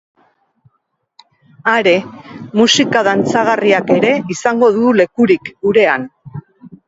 Are, musika dantzagarriak ere izango du lekurik gurean.